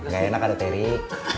gaenak ada terik